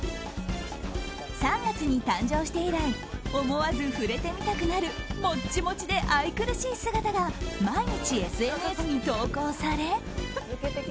３月に誕生して以来思わず触れてみたくなるもっちもちで愛くるしい姿が毎日ＳＮＳに投稿され。